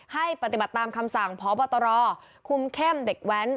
ให้ปฏิบัติตามคำสั่งพบตรคุมเข้มเด็กแว้น